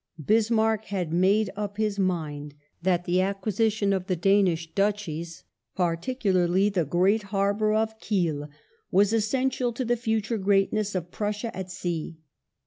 Bismarck had made up his mind that the acquisition of the Danish Duchies — particularly the great harbour of Kiel — was essential to the future greatness of Prussia at sea.